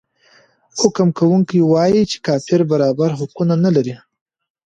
حکم کوونکی وايي چې کافر برابر حقوق نلري.